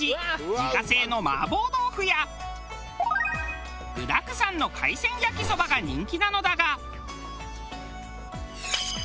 自家製の麻婆豆腐や具だくさんの海鮮焼きそばが人気なのだが。